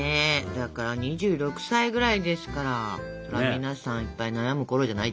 だから２６歳ぐらいですから皆さんいっぱい悩むころじゃない？